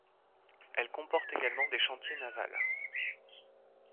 Elle comporte également des chantiers navals.